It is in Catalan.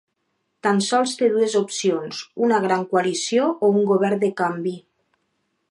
Tan sols té dues opcions: una gran coalició o un govern de canvi.